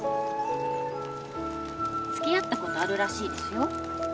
付き合ったことあるらしいですよ。